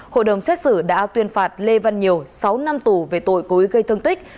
hội đồng xét xử đã tuyên phạt lê văn nhiều sáu năm tù về tội cố ý gây thương tích